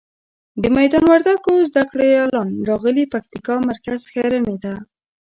د میدان وردګو زده ګړالیان راغلي پکتیکا مرکز ښرنی ته.